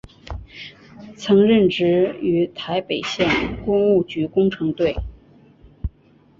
曾任职于台北县工务局工程队。